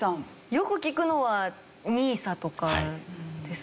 よく聞くのはＮＩＳＡとかですか？